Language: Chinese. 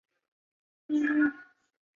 滇葎草为桑科葎草属下的一个种。